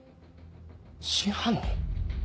真犯人？